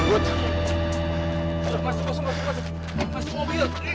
masuk masuk masuk